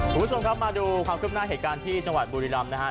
สวัสดีครับมาดูความครบหน้าเหตุการณ์ที่จังหวัดบุรีรัมน์นะฮะ